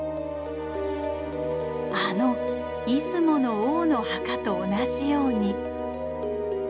あの出雲の王の墓と同じように。